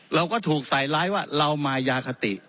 เราก็ถูกใส่ร้ายว่าเรามายาคติ